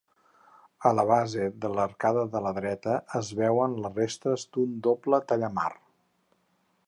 A la base de l'arcada de la dreta es veuen les restes d'un doble tallamar.